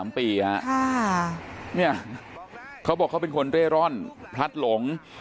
เนี่ยเขาบอกเขาเป็นคนเร่ร่อนพลัดหลง